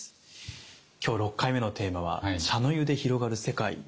今日六回目のテーマは「茶の湯で広がる世界」。